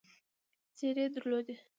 څېرې درلودې.